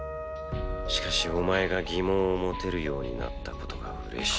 しかしお前が疑問を持てるようになったことが嬉しい。